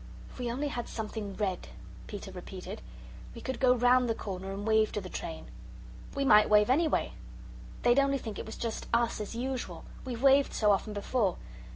"If we only had something red," Peter repeated, "we could go round the corner and wave to the train." "We might wave, anyway." "They'd only think it was just US, as usual. We've waved so often before.